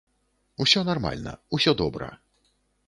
Усё нармальна, усё добра.